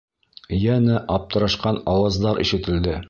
Йәнә аптырашҡан ауаздар ишетелде.